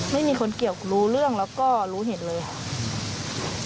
ไม่มีคนเกี่ยวรู้เรื่องแล้วก็รู้เห็นเลยค่ะ